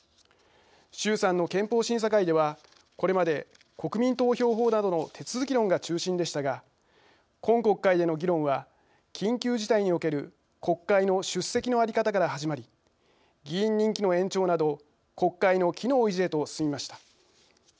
衆参の憲法審査会ではこれまで、国民投票法などの手続き論が中心でしたが今国会での議論は緊急事態における国会の出席の在り方から始まり議員任期の延長など国会の機能維持へと進みました。